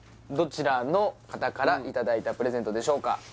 どちらの方からいただいたプレゼントでしょうか？